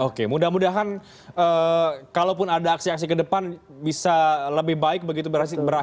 oke mudah mudahan kalaupun ada aksi aksi kedepan bisa lebih baik begitu berakhir tidak rusuh